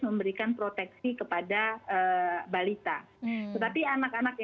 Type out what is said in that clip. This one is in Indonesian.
memberikan proteksi kepada balita